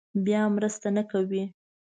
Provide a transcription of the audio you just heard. بیا مرسته نه کوي.